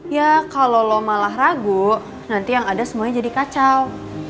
ya kalau lo malah ragu nanti yang ada semuanya jadi kacau